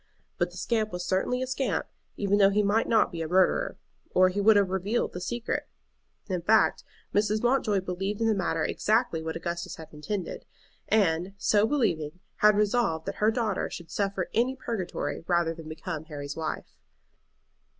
But the scamp was certainly a scamp, even though he might not be a murderer, or he would have revealed the secret. In fact, Mrs. Mountjoy believed in the matter exactly what Augustus had intended, and, so believing, had resolved that her daughter should suffer any purgatory rather than become Harry's wife.